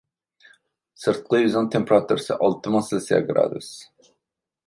سىرتقى يۈزنىڭ تېمپېراتۇرىسى ئالتە مىڭ سېلسىيە گرادۇس.